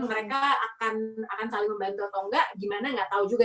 mereka akan saling membantu atau enggak gimana nggak tahu juga